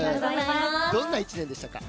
どんな１年でしたか？